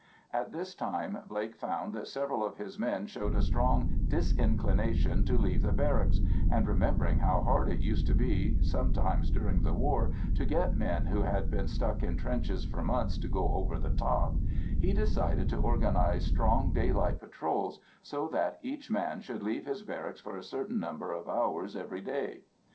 At this time Blake found that several of his men showed a strong disinclination to leave the barracks, and remembering how hard it used to be sometimes during the war to get men who had been stuck in trenches for months to go "over the top," he decided to organise strong daylight patrols so that each man should leave his barracks for a certain number of hours every day.